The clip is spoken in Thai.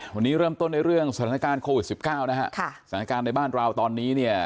วันนี้เริ่มต้นด้วยเรื่องสถานการณ์โควิดสิบเก้านะฮะค่ะสถานการณ์ในบ้านเราตอนนี้เนี่ย